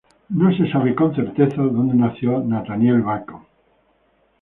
No se sabe con certeza donde nació Nathaniel Bacon.